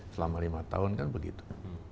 selama lima tahun kan begitu